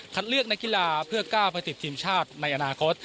เลือกนักกีฬาเพื่อก้าวไปติดทีมชาติในอนาคต